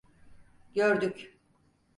Gördük…